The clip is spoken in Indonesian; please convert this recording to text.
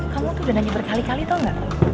kamu tuh udah nanya berkali kali tau gak